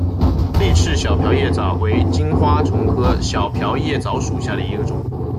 丽翅小瓢叶蚤为金花虫科小瓢叶蚤属下的一个种。